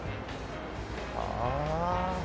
ああ。